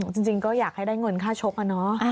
จริงก็อยากให้ได้เงินค่าชกอะเนาะ